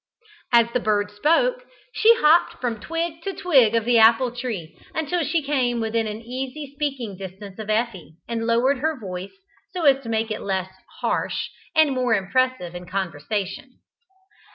As the bird spoke, she hopped from twig to twig of the apple tree, until she came within easy speaking distance of Effie, and lowered her voice so as to make it less harsh, and more impressive in conversation.